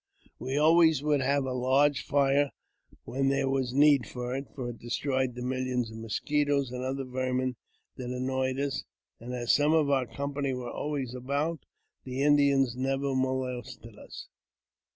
We always would have a large fire when there was need for it, for it destroyed the millions of mosquitoes and other vermin that annoyed us ; and, as some of our company were always about, the Indians never molested us.